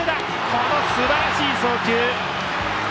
このすばらしい送球。